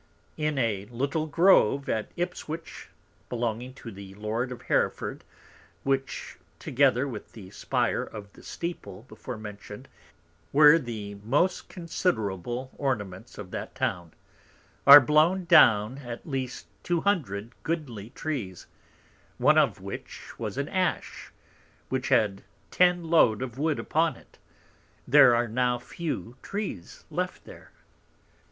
In a little Grove at Ipswich, belonging to the Lord of Hereford (which together with the Spire of the Steeple before mentioned, were the most considerable Ornaments of that Town) are blown down at least two hundred goodly Trees, one of which was an Ash, which had ten Load of Wood upon it: there are now few Trees left there.